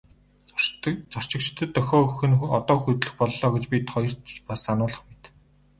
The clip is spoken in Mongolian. Зорчигчдод дохио өгөх нь одоо хөдлөх боллоо гэж бид хоёрт ч бас сануулах мэт.